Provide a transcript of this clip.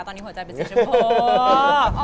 ตอนนี้หัวใจเป็นสีชมพู